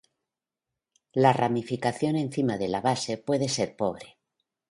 La ramificación encima de la base puede ser pobre.